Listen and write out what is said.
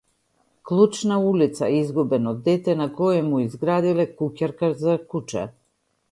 Клуч на улица, изгубен од дете на кое му изградиле куќарка за куче.